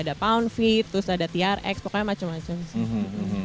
ada pound feet terus ada trx pokoknya macam macam sih